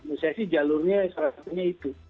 menurut saya sih jalurnya seharusnya itu